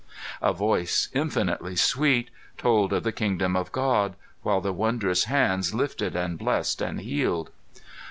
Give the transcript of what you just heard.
A Voice, infinitely sweet, told of the Kingdom of God, while the wondrous hands lifted and blessed and healed.